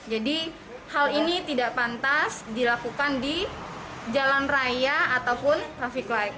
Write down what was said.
jadi hal ini tidak pantas dilakukan di jalan raya ataupun traffic light